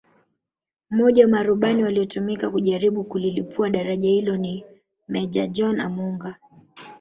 Mmoja wa marubani waliotumika kujaribu kulilipua daraja hilo ni Meja John Amunga